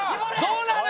どうなる？